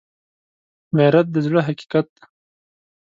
غیرت د زړه حقیقت دی